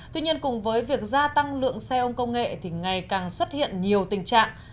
tuy nhiên cùng với việc gia tăng lượng xe ôm công nghệ thì ngày càng xuất hiện nhiều tình trạng